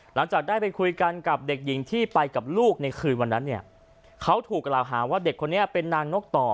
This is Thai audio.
หลังจากได้ไปคุยกันกับเด็กหญิงที่ไปกับลูกในคืนวันนั้นเนี่ยเขาถูกกล่าวหาว่าเด็กคนนี้เป็นนางนกต่อ